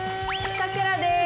さくらです！